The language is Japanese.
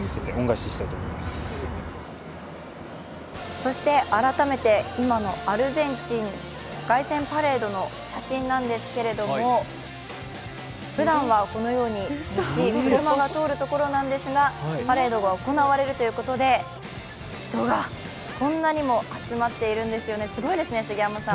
そして改めて今のアルゼンチン、凱旋パレードの写真なんですけれども、ふだんはこのように、車が通るところなんですが、パレードが行われるということで人がこんなにも集まっているんですよね、すごいですよね、杉山さん。